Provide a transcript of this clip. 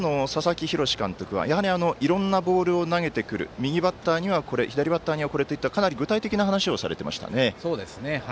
一方の佐々木洋監督はやはり、いろんなボールを投げてくる右バッターにはこれ左バッターにはこれという具体的な話をされていました。